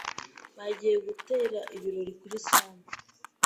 Bagiye gutera ibirori kuri Sam.